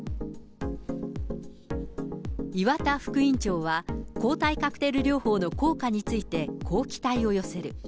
岩田副院長は、抗体カクテル療法の効果について、こう期待を寄せる。